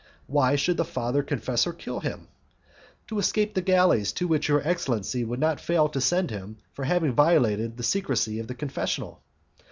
"Why should the father confessor kill him?" "To escape the galleys to which your excellency would not fail to send him for having violated the secrecy of the confessional."